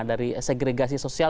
dari segregasi sosial